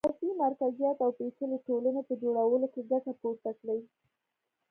د سیاسي مرکزیت او پېچلې ټولنې په جوړولو کې ګټه پورته کړي